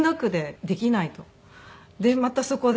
でまたそこで。